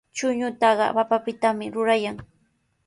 Chuñutaqa papapitami rurayan.